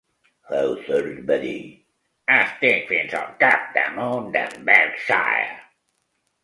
Hawthorne va dir "Estic fins al capdamunt d'en Berkshire..."